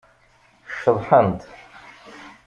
Ceḍḥent.